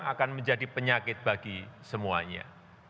akan menjadi penyakit bagi semuanya